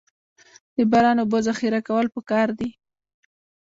د باران اوبو ذخیره کول پکار دي